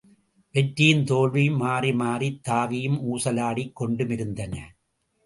வெற்றியும் தோல்வியும் மாறி மாறித் தாவியும் ஊசலாடிக் கொண்டும் இருந்தன.